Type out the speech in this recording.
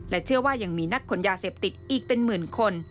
เชื่อว่ายังมีนักขนยาเสพติดอีกเป็นหมื่นคน